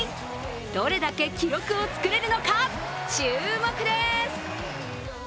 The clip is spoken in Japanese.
どれだけ記録を作れるのか注目です。